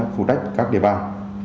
phụ đách các địa bàn